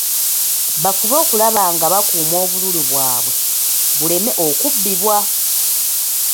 Bafube okulaba nga bakuuma obululu bwabwe, buleme okubbibwa.